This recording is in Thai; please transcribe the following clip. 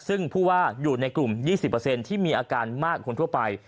ซึ่งผู้ว่าอยู่ในกลุ่ม๒๐ที่มีอาการมากกว่าคนทั่วไป